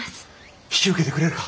引き受けてくれるか！